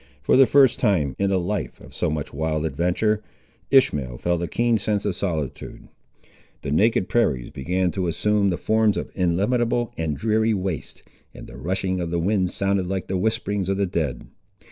For the first time, in a life of so much wild adventure, Ishmael felt a keen sense of solitude. The naked prairies began to assume the forms of illimitable and dreary wastes and the rushing of the wind sounded like the whisperings of the dead.